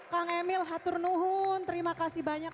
kang emil haturnuhun terima kasih banyak